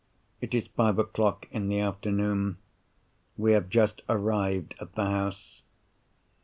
It is five o'clock in the afternoon. We have just arrived at the house.